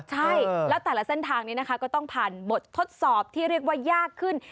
ใช่แล้วแต่ละเส้นทางนี้นะคะก็ต้องผ่านบททดสอบที่เรียกว่ายากขึ้น